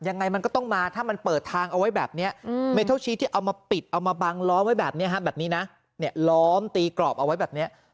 เนี่ยล้อมตีกรอบเอาไว้แบบนี้